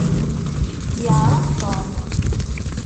Yeɛṛeq Tom.